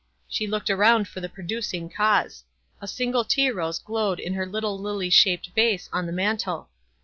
She looked around for the producing cause. A single tea rose glowed in her little lily shaped vase on the mantel.